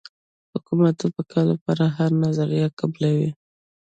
حکومت د بقا لپاره هره نظریه قبلوي.